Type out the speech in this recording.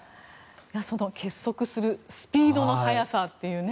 その結束するスピードの早さというね